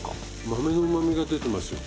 豆のうまみが出てますよ。